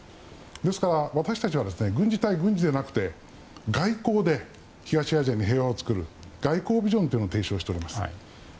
ですから私たちは軍事対軍事ではなくて外交で東アジアに平和を作る、外交ビジョンを提唱しております。